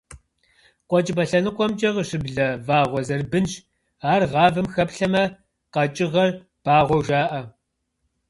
Къуэкӏыпӏэ лъэныкъуэмкӏэ къыщыблэ вагъуэ зэрыбынщ, ар гъавэм хэплъэмэ, къэкӏыгъэр багъуэу жаӏэ.